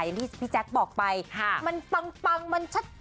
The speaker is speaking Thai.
อย่างที่พี่แจ๊คบอกไปมันปังมันชัด